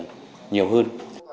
giải trình tiếp thu ý kiến